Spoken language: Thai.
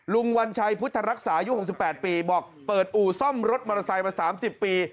วัญชัยพุทธรักษาอายุ๖๘ปีบอกเปิดอู่ซ่อมรถมอเตอร์ไซค์มา๓๐ปี